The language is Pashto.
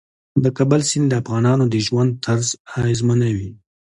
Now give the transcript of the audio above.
د کابل سیند د افغانانو د ژوند طرز اغېزمنوي.